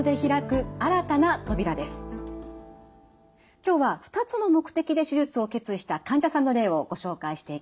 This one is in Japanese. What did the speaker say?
今日は２つの目的で手術を決意した患者さんの例をご紹介していきます。